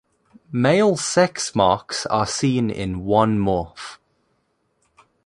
Male sex-marks are seen in one morph.